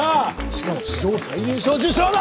しかも史上最年少受賞だ！